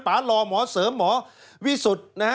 ปาลลอหมอเสริมหมอวิสุทธิ์